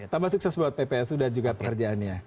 tambah sukses buat ppsu dan juga pekerjaannya